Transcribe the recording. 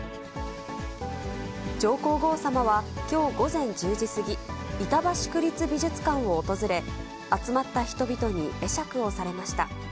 上皇后さまはきょう午前１０時過ぎ、板橋区立美術館を訪れ、集まった人々に会釈をされました。